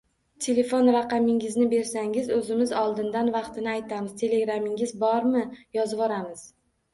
-Telefon raqamingizni bersangiz, o’zimiz oldindan vaqtini aytamiz, telegramingiz bormi, yozvoramiz?